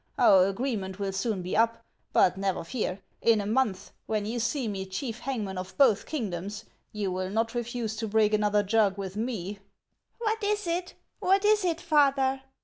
Our agreement will soon be up ; but never fear, in a month, when you see me chief hangman of both kingdoms, you will not refuse to break another jug with me." 1 " What is it, what is it, father